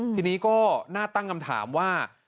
ทีนี้ก็น่าตั้งคำถามว่า